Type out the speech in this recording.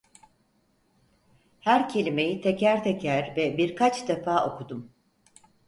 Her kelimeyi teker teker ve birkaç defa okudum.